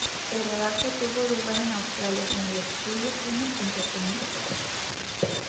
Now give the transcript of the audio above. El rodaje tuvo lugar en Australia en el estudio Summit Entertainment.